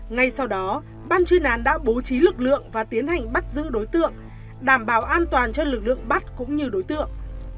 ngay sau đó ban chuyên án đã bố trí lực lượng và tiến hành bắt giữ đối tượng đảm bảo an toàn cho lực lượng bắt cũng như đối tượng